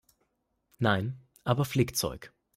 Nein, aber Flickzeug.